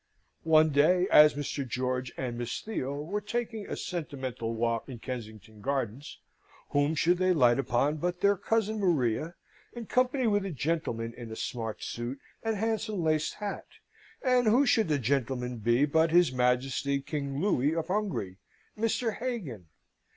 One day, as Mr. George and Miss Theo were taking a sentimental walk in Kensington Gardens, whom should they light upon but their cousin Maria in company with a gentleman in a smart suit and handsome laced hat, and who should the gentleman be but his Majesty King Louis of Hungary, Mr. Hagan?